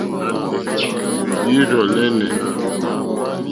Líǐrzɔ̀ lɛ́nɛ̀.